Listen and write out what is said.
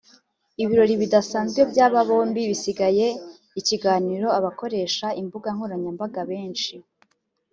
Ibirori bidasanzwe by’aba bombi byasigiye ikiganiro abakoresha imbuga nkoranyambaga benshi